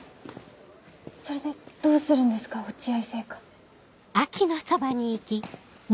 それでどうするんですか落合製菓。